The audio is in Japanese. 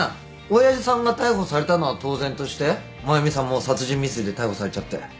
親父さんが逮捕されたのは当然として繭美さんも殺人未遂で逮捕されちゃって。